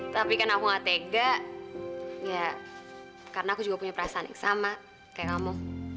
tapi karena aku gak tega ya karena aku juga punya perasaan yang sama kayak kamu